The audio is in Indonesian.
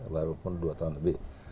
walaupun dua tahun lebih